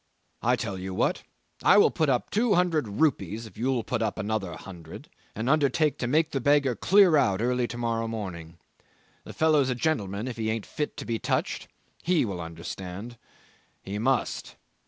I tell you what, I will put up two hundred rupees if you put up another hundred and undertake to make the beggar clear out early to morrow morning. The fellow's a gentleman if he ain't fit to be touched he will understand. He must!